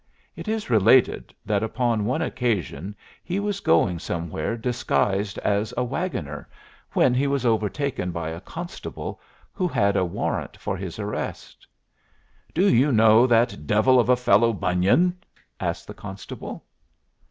It is related that upon one occasion he was going somewhere disguised as a wagoner, when he was overtaken by a constable who had a warrant for his arrest. "Do you know that devil of a fellow Bunyan?" asked the constable.